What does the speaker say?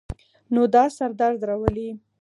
نو دا سر درد راولی